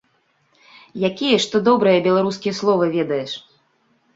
Якія ж ты добрыя беларускія словы ведаеш!